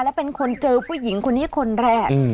และเป็นคนเจอผู้หญิงคนนี้คนแรก